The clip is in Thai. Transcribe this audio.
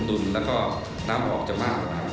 สายกะพริกก็ใช้เวลาต้องใช้เวลาซ่อมไม่นานมาก